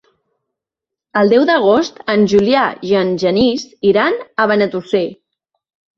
El deu d'agost en Julià i en Genís iran a Benetússer.